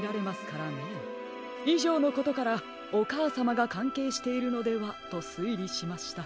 いじょうのことからおかあさまがかんけいしているのではとすいりしました。